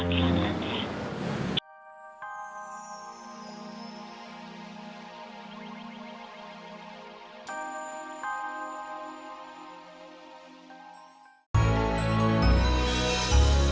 tidak ada yang menerima panggilan lantai